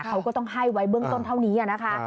เขาก็ต้องให้ไว้เบื้องต้นเท่านี้นะคะ